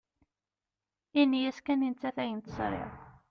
Ini-as kan i nettat ayen tesrid.